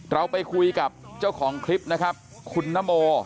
เราไปคุยกับเจ้าของคลิปนะครับคุณนโม